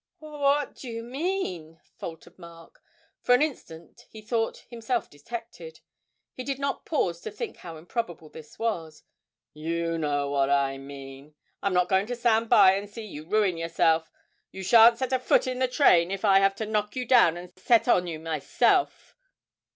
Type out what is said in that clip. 'What do you mean?' faltered Mark. For the instant he thought himself detected, and did not pause to think how improbable this was. 'You know what I mean. I'm not going to stand by and see you ruin yourself. You shan't set a foot in the train if I have to knock you down and set on you myself!